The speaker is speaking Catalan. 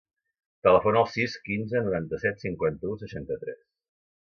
Telefona al sis, quinze, noranta-set, cinquanta-u, seixanta-tres.